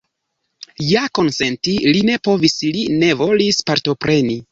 Ja konsenti li ne povis, li ne volis partopreni.